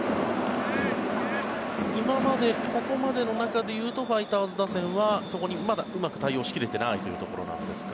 今までここまでの中でいうとファイターズ打線はそこにまだうまく対応しきれていないというところですか。